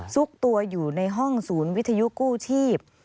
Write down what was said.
ซุกตัวอยู่ในห้องศูนย์วิทยุกู้ชีพ